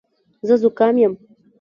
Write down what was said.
زه زوکام یم